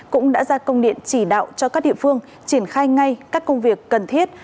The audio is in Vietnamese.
cũng đã ra công điện chỉ đạo cho các địa phương triển khai ngay các công việc cần thiết